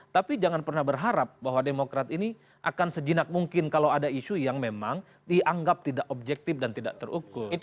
tapi jangan pernah berharap bahwa demokrat ini akan sejenak mungkin kalau ada isu yang memang dianggap tidak objektif dan tidak terukur